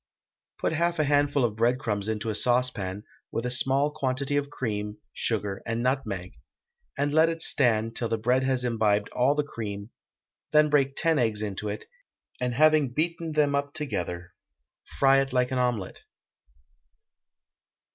Put half a handful of breadcrumbs into a saucepan, with a small quantity of cream, sugar, and nutmeg, and let it stand till the bread has imbibed all the cream; then break ten eggs into it, and having beaten them up together, fry it like an omelet.